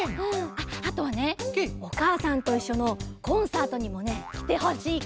あっあとはね「おかあさんといっしょ」のコンサートにもねきてほしいかな。